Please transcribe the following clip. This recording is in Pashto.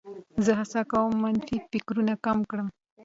زه هڅه کوم منفي فکرونه کم کړم.